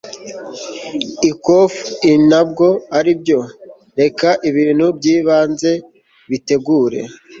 i quoth i ntabwo aribyo. reka ibintu by'ibanze bitegure